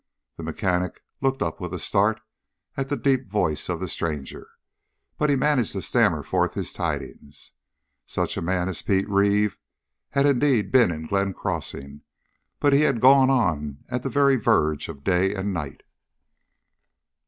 The mechanic looked up with a start at the deep voice of the stranger, but he managed to stammer forth his tidings. Such a man as Pete Reeve had indeed been in Glenn Crossing, but he had gone on at the very verge of day and night.